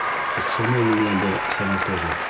Оҡшамай миңә был санаторий...